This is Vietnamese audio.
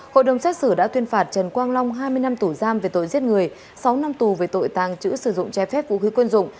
hội đồng xét xử đã tuyên phạt trần quang long hai mươi năm tù giam về tội giết người sáu năm tù về tội tàng trữ sử dụng trái phép vũ khí quân dụng